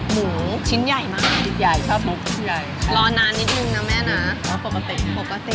หมูฉินใหญ่มาก